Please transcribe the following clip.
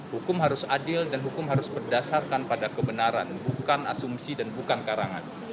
hukum harus adil dan hukum harus berdasarkan pada kebenaran bukan asumsi dan bukan karangan